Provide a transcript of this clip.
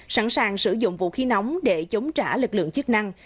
sẵn sàng sử dụng vũ khí nóng để chống trả lực lượng chức năng